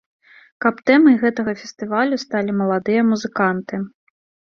Каб тэмай гэтага фестывалю сталі маладыя музыканты.